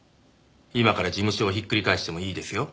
今から事務所を引っくり返してもいいですよ。